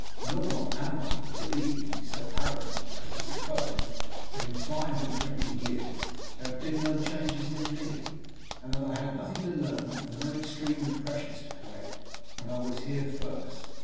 Nor am I, believe me, so arrogant as to suppose that in five and twenty years there have been no changes in me, and that I had nothing to learn and no extreme impressions to correct when I was here first.